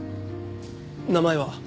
名前は？